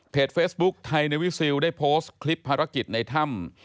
เฟซบุ๊คไทยในวิซิลได้โพสต์คลิปภารกิจในถ้ำ